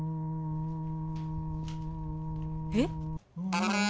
えっ？